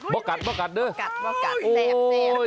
พอกัดพอกัดด้วย